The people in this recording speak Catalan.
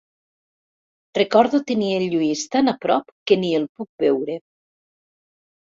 Recordo tenir el Lluís tan a prop que ni el puc veure.